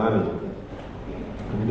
karena tangan dia